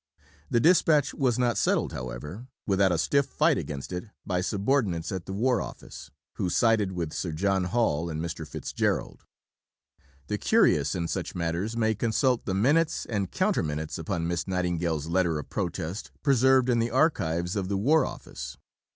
The dispatch was not settled, however, without a stiff fight against it by subordinates at the War Office, who sided with Sir John Hall and Mr. Fitz Gerald. The curious in such matters may consult the minutes and counter minutes upon Miss Nightingale's letter of protest preserved in the archives of the War Office.